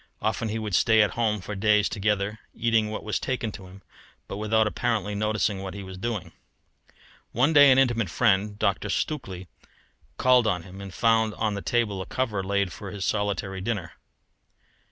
Often he would stay at home for days together, eating what was taken to him, but without apparently noticing what he was doing. One day an intimate friend, Dr. Stukely, called on him and found on the table a cover laid for his solitary dinner.